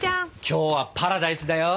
今日はパラダイスだよ！